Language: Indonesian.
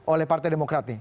oleh partai demokrat ini